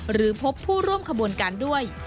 หรือพบผู้ร่วมขบวนการด้วย